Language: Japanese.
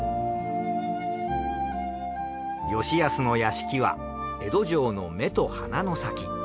吉保の屋敷は江戸城の目と鼻の先。